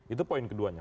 itu poin keduanya